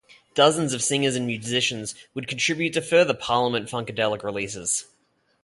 Dozens of singers and musicians would contribute to future Parliament-Funkadelic releases.